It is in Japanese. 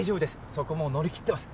そこもう乗りきってます